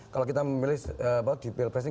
kalau kita memilih di pilpres ini